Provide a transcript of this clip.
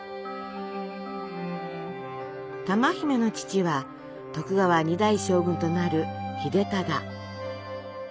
珠姫の父は徳川２代将軍となる秀忠。